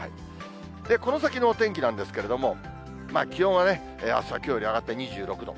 この先のお天気なんですけれども、気温はあすはきょうより上がって２６度。